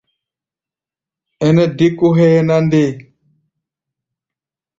Ɛnɛ dé kó hʼɛ́ɛ́ na nde?